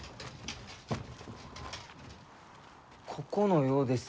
ここのようです。